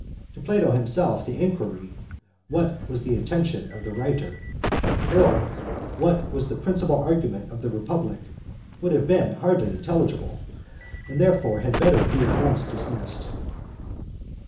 To Plato himself, the enquiry 'what was the intention of the writer,' or 'what was the principal argument of the Republic' would have been hardly intelligible, and therefore had better be at once dismissed (cp.